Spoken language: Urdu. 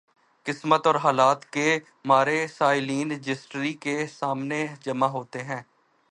قسمت اور حالات کے مارے سائلین رجسٹری کے سامنے جمع ہوتے۔